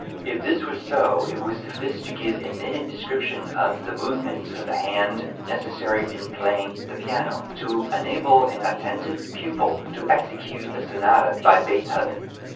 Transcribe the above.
If this were so, it would suffice to give a minute description of the movements of the hand necessary in playing the piano, to enable an attentive pupil to execute a sonata by Beethoven.